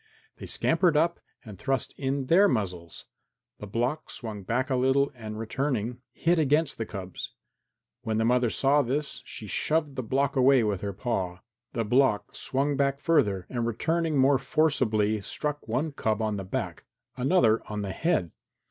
They scampered up and thrust in their muzzles. The block swung back a little and returning, hit against the cubs. When the mother saw this, she shoved the block away with her paw. The block swung back further, and returning more forcibly struck one cub on the back, another on the head.